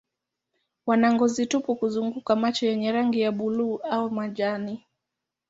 Wana ngozi tupu kuzunguka macho yenye rangi ya buluu au majani.